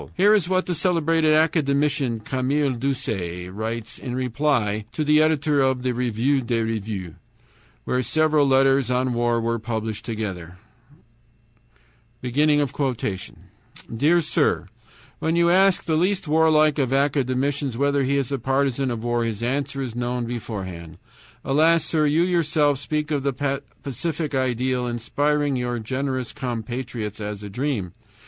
Here is what the celebrated academician Camille Doucet writes in reply to the editor of the REVUE DES REVUES, where several letters on war were published together: "Dear Sir: When you ask the least warlike of academicians whether he is a partisan of war, his answer is known beforehand. "Alas! sir, you yourself speak of the pacific ideal inspiring your generous compatriots as a dream.